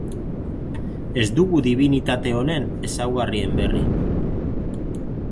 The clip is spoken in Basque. Ez dugu dibinitate honen ezaugarrien berri.